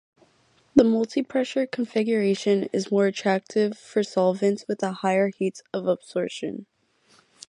The multipressure configuration is more attractive for solvents with a higher heats of absorption.